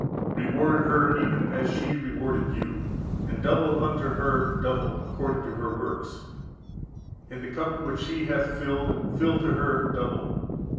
41. "Reward her even as she rewarded (you), and double unto her double, according to her works: in the cup which she hath filled, fill to her double.